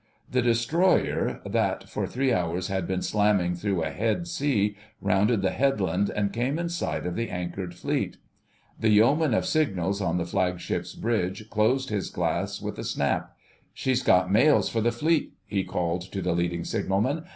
The Destroyer, that for three hours had been slamming through a head sea, rounded the headland and came in sight of the anchored Fleet. The Yeoman of Signals on the Flagship's bridge closed his glass with a snap. "She's got mails for the Fleet," he called to the Leading Signalman.